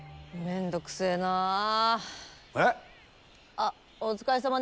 あっお疲れさまです。